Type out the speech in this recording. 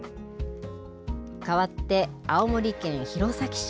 かわって、青森県弘前市。